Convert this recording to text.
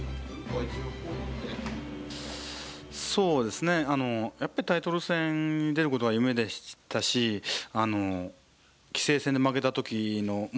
そうですねあのやっぱりタイトル戦に出ることは夢でしたし棋聖戦で負けた時の無念さというのをね